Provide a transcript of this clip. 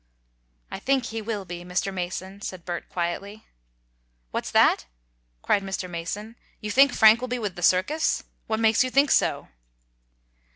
"I think he will be, Mr. Mason," said Bert, quietly. "What's that?" cried Mr. Mason. "You think Frank will be with the circus? What makes you think so?"